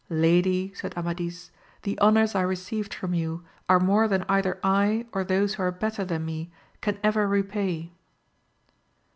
Lady, said Amadis, the honours I received from you, are more than either I, or those who are better than me, can ever repay.